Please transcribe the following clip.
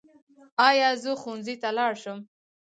ایا زه ښوونځي ته لاړ شم؟